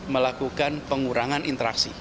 melakukan pengurangan interaksi